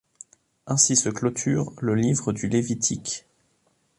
Ainsi se clôture le Livre du Lévitique.